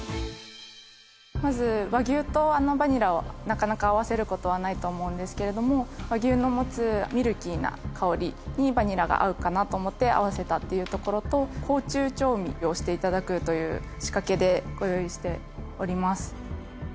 まず和牛とバニラをなかなか合わせることはないと思いますが和牛の持つミルキーな香りにバニラが合うかなと思って合わせたっていうところと口中調味をして頂くという仕掛けでご用意しております